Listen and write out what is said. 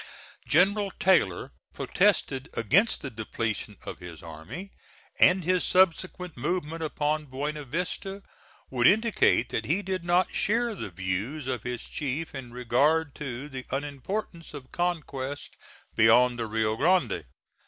General Taylor protested against the depletion of his army, and his subsequent movement upon Buena Vista would indicate that he did not share the views of his chief in regard to the unimportance of conquest beyond the Rio Grande.